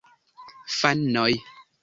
Fanoj!